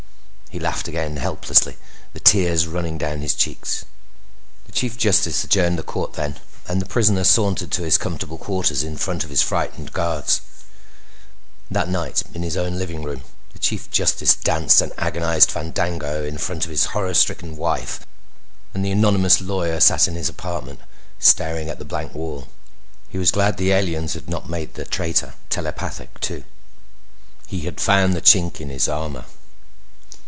He laughed again helplessly, the tears running down his cheeks. The Chief Justice adjourned the Court then and the prisoner sauntered to his comfortable quarters in front of his frightened guards. That night, in his own living room, the Chief Justice danced an agonized fandango in front of his horror stricken wife and the anonymous lawyer sat in his apartment, staring at the blank wall. He was glad the aliens had not made the traitor telepathic too. He had found the chink in his armor.